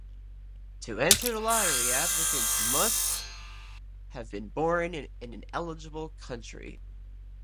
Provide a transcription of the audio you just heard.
To enter the lottery, applicants must have been born in an eligible country.